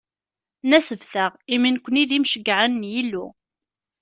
Nasbet-aɣ, imi nekni d imceyyɛen n Yillu.